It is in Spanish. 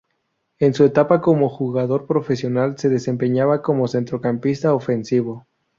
En su etapa como jugador profesional se desempeñaba como centrocampista ofensivo.